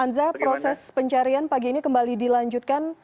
anza proses pencarian pagi ini kembali dilanjutkan